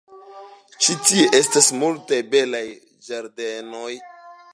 Ĉi tie estas multaj belaj ĝardenoj.